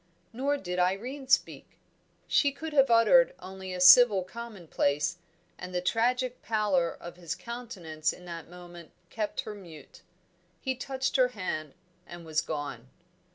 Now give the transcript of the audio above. Nor did Irene speak; she could have uttered only a civil commonplace, and the tragic pallor of his countenance in that moment kept her mute. He touched her hand and was gone.